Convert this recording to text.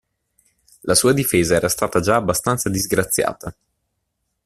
La sua difesa era stata già abbastanza disgraziata.